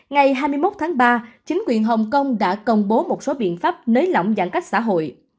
ngày hai mươi một tháng ba chính quyền hồng kông đã công bố một số biện pháp nới lỏng giãn cách xã hội